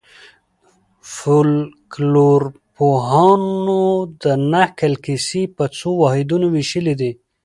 فولکلورپوهانو د نکل کیسې په څو واحدونو وېشلي دي.